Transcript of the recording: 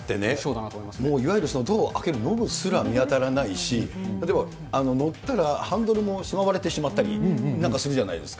だってね、いわゆるドアを開けるノブすら見当たらないし、例えば乗ったら、ハンドルもしまわれてしまったりするじゃないですか。